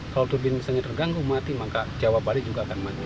kalau tubin misalnya terganggu mati maka jawa bali juga akan maju